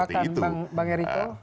ya tapi tidak bisa dilupakan bang ericko